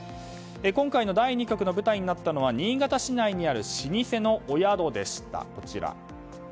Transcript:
今回の第２局の舞台になったのは新潟市内にある老舗のお宿でした。